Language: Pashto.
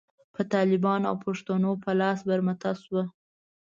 په طالبانو او پښتنو په لاس برمته شوه.